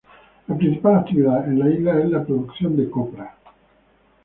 La principal actividad en la isla es la producción de copra.